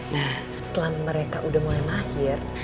nah setelah mereka udah mulai mahir